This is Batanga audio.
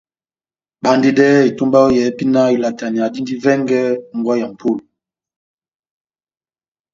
Bandedɛhɛ etomba yɔ́ yɛ́hɛ́pi náh ilataneya dindi vɛngɛ ó mbówa ya mʼpolo !